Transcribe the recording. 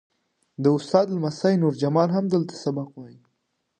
د استاد لمسی نور جمال هم دلته سبق وایي.